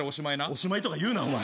おしまいとか言うなお前。